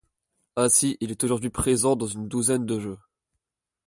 Ainsi, il est aujourd'hui présent dans une douzaine de jeux.